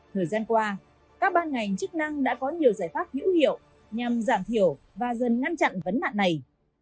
thời gian qua các ban ngành chức năng đã có nhiều giải pháp hữu hiệu nhằm giảm thiểu và dần ngăn chặn vấn nạn này